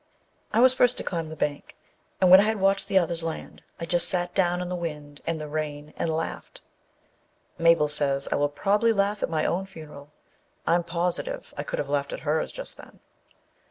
I was first to climb the bank, and when I had watched the others land I just sat down in the wind and the rain and laughed. (Mabel says I will probably laugh at my own funeral; I'm positive I could have laughed at hers just then.)